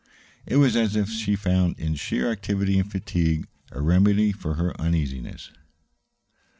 It was as if she found in sheer activity and fatigue a remedy for her uneasiness.